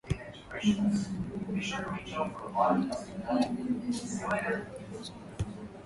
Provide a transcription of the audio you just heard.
Mamia ya waandamanaji waliingia kwenye mitaa yote ya Khartoum na mji wake pacha wa Omdurman